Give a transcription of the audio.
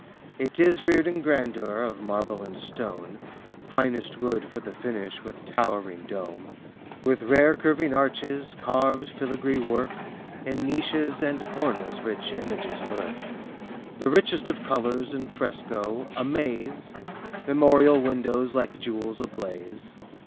It is reared in grandeur Of marble and stone, Finest wood for the finish, With towering dome. With rare curving arches, Carved filigree work, In niches and corners Rich images lurk. The richest of colors In fresco, amaze! Memorial windows Like jewels ablaze.